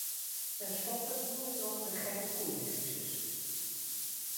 Ten slotte noem ik nog de gekke-koeiencrisis.